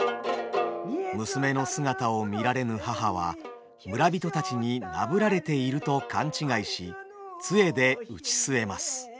娘の姿を見られぬ母は村人たちになぶられていると勘違いしつえで打ち据えます。